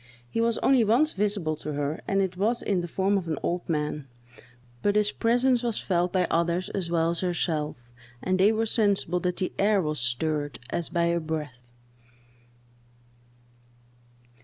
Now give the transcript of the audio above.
He was only once visible to her, and it was in the form of an old man; but his presence was felt by others as well as herself, and they were sensible that the air was stirred, as by a breath.